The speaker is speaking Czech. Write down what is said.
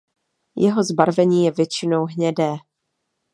Jeho zbarvení je většinou hnědé.